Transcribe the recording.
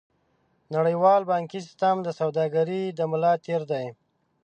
نړیوال بانکي سیستم د سوداګرۍ د ملا تیر دی.